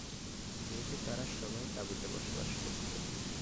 যেহেতু তারা সবাই তাঁবুতে বসবাস করত।